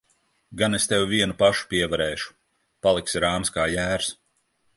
Gan es tevi vienu pašu pievarēšu! Paliksi rāms kā jērs.